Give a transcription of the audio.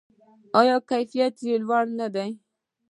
آیا کیفیت یې ډیر لوړ نه دی؟